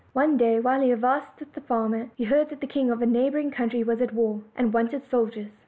One day, while he Avas at the farm, he heard that the king of a neighboring coun try was at war, and wanted soldiers.